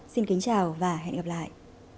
xin kính chào và hẹn gặp lại